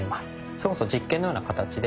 それこそ実験のような形で。